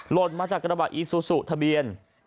หล่นมาจากกระบะอิซูสุทะเบียน